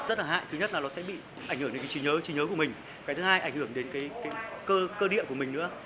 rất là hại thứ nhất là nó sẽ bị ảnh hưởng đến cái trí nhớ trí nhớ của mình cái thứ hai ảnh hưởng đến cái cơ địa của mình nữa